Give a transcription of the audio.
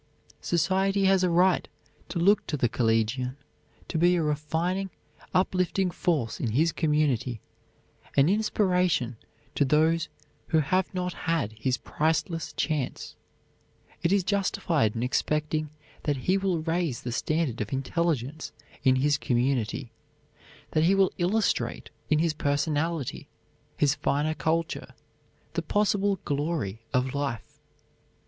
Society has a right to look to the collegian to be a refining, uplifting force in his community, an inspiration to those who have not had his priceless chance; it is justified in expecting that he will raise the standard of intelligence in his community; that he will illustrate in his personality, his finer culture, the possible glory of life.